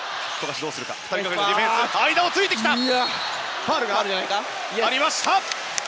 ファウルがありました。